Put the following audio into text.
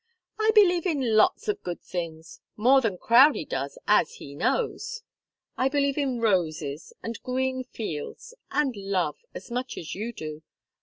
"I believe in lots of good things more than Crowdie does, as he knows. I believe in roses, and green fields, and love, as much as you do.